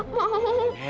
nggak nggak mau